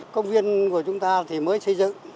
công viên của chúng ta thì mới xây dựng